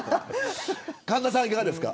神田さん、いかがですか。